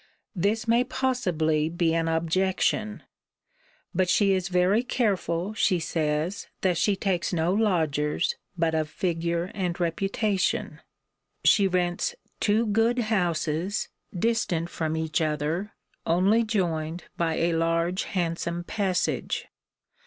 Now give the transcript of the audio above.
This may possibly be an objection. But she is very careful, she says, that she takes no lodgers, but of figure and reputation. She rents two good houses, distant from each other, only joined by a large handsome passage.